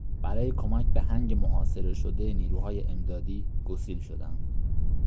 برای کمک به هنگ محاصره شده نیروهای امدادی گسیل شدند.